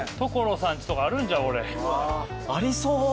ありそう。